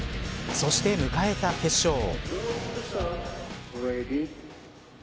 そして迎えた決勝。